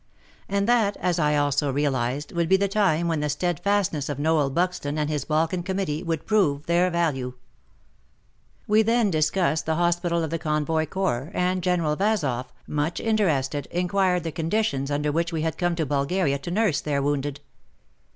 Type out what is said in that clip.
And that, as I also realized, would be the time when the steadfastness of Noel Buxton and his Balkan Committee would prove their value. We then discussed the hospital of the Convoy Corps, and General Vazoff, much interested, inquired the conditions under which we had come to Bulgaria to nurse their wounded.